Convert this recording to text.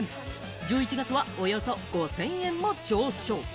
１１月はおよそ５０００円も上昇。